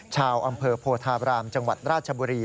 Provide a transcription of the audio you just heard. ชาวอำเภอโพธาบรามจังหวัดราชบุรี